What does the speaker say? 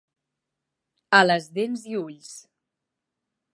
A les dents i ulls.